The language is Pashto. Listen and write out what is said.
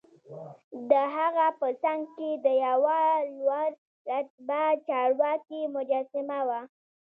دهغه په څنګ کې د یوه لوړ رتبه چارواکي مجسمه وه.